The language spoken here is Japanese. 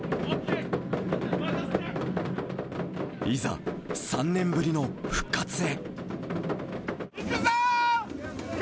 いざ、３年ぶりの復活へ。